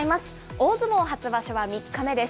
大相撲初場所は３日目です。